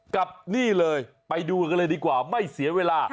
กับนี่เลยไปดูกันเลยดีกว่าไม่เสียเวลา